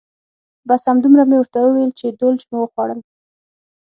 بس همدومره مې ورته وویل چې دولچ مو وخوړل.